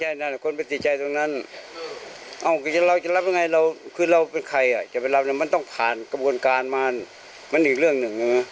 นั่นคนไปติดใจตรงนั้นเราจะรับยังไงเราคือเราเป็นใครอ่ะจะไปรับมันต้องผ่านกระบวนการมันมันอีกเรื่องหนึ่งนะ